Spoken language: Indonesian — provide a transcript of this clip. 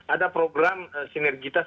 ada program sinergitas